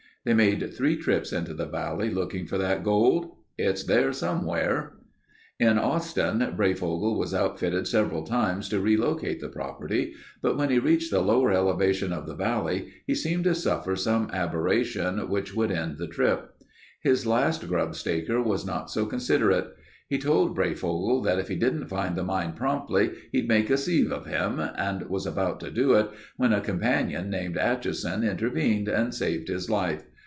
They made three trips into the valley, looking for that gold. It's there somewhere." At Austin, Breyfogle was outfitted several times to relocate the property, but when he reached the lower elevation of the valley, he seemed to suffer some aberration which would end the trip. His last grubstaker was not so considerate. He told Breyfogle that if he didn't find the mine promptly he'd make a sieve of him and was about to do it when a companion named Atchison intervened and saved his life.